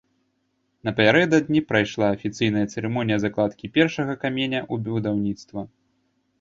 Напярэдадні прайшла афіцыйная цырымонія закладкі першага каменя ў будаўніцтва.